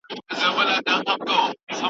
د ویرجینیا پسرلی او منی دواړه ښکلي دي.